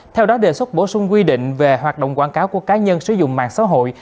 theo đó đề xuất bổ sung quy định về hoạt động quảng cáo của cá nhân sử dụng mạng xã hội